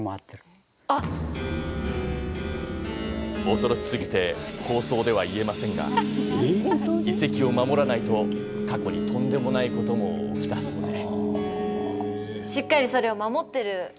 恐ろしすぎて放送では言えませんが遺跡を守らないと過去にとんでもないことも起きたそうで。